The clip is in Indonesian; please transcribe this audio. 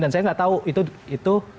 dan saya nggak tahu itu